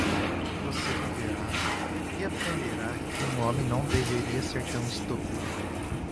Você viverá? e aprenderá que um homem não deveria ser tão estúpido.